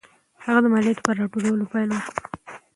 هغه د مالیاتو په راټولولو پیل وکړ.